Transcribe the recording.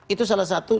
itu salah satu